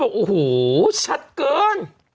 เขาบอกโอ้โฮชัดเกิน